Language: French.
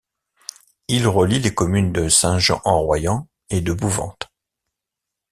Il relie les communes de Saint-Jean-en-Royans et de Bouvante.